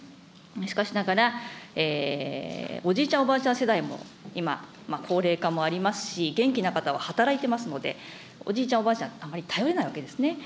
しかしながら、おじいちゃん、おばあちゃん世代も今、高齢化もありますし、元気な方は働いてますので、おじいちゃん、おばあちゃん、あまり頼れないわけですね。